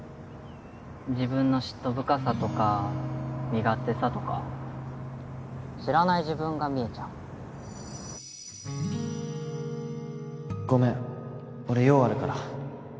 自分の嫉妬深さとか身勝手さとか知らない自分が見えちゃうごめん俺用あるから